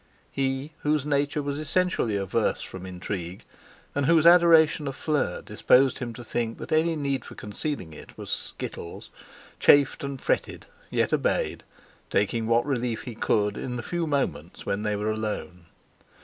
He, whose nature was essentially averse from intrigue, and whose adoration of Fleur disposed him to think that any need for concealing it was "skittles," chafed and fretted, yet obeyed, taking what relief he could in the few moments when they were alone.